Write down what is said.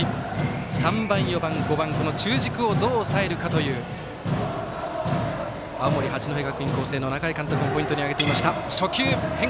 ３番、４番、５番、この中軸をどう抑えるかという青森、八戸学院光星の仲井監督もポイントに挙げていました。